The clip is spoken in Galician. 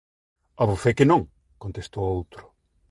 "Abofé que non!", contestou outro.